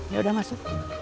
ya udah masuk